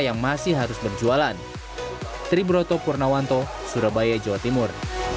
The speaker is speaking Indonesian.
yang masih harus berjualan triburoto purnawanto surabaya jawa timur